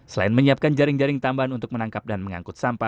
selain menyiapkan jaring jaring tambahan untuk menangkap dan mengangkut sampah